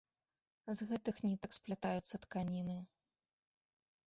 З гэтых нітак сплятаюцца тканіны.